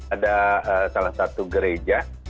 ada salah satu gereja